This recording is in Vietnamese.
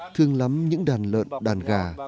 thương lắm những đàn lợn đàn gà